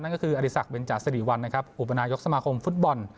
ก็คืออริสักเบนจาสิริวัลนะครับอุปนายกสมาคมฟุตบอล